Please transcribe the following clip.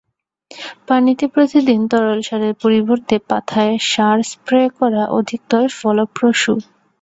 পানিতে প্রতিদিন তরল সারের পরিবর্তে পাতায় সার স্প্রে করা অধিকতর ফলপ্রসূ।